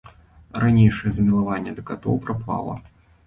Ранейшае замілаванне да катоў прапала.